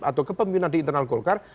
atau kepemimpinan di internal golkar